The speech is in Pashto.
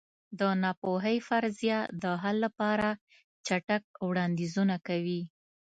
د ناپوهۍ فرضیه د حل لپاره چټک وړاندیزونه کوي.